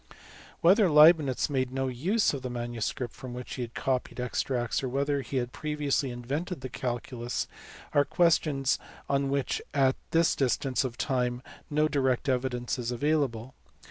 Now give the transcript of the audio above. Whether Leibnitz made no use of the manuscript from which he had copied extracts, or whether he had previously invented the calculus are questions on which at this distance of time no direct evidence is available.